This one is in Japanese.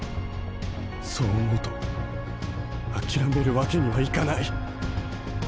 そうおもうとあきらめるわけにはいかない。